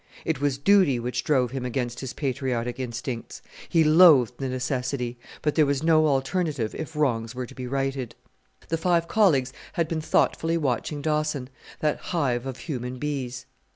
It was duty which drove him against his patriotic instincts. He loathed the necessity; but there was no alternative if wrongs were to be righted. The five colleagues had been thoughtfully watching Dawson, that hive of human bees.